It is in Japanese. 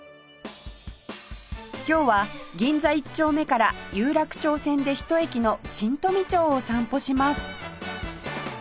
今日は銀座一丁目から有楽町線でひと駅の新富町を散歩します